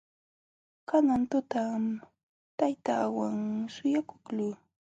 Kanan tutam taytaawan suyakuqluu.